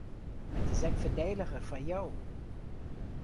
It is ek foardeliger foar jo.